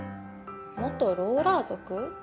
元ローラー族？